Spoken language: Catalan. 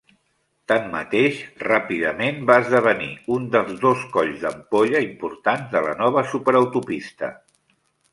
Tanmateix, ràpidament va esdevenir un dels dos colls d'ampolla importants de la nova superautopista.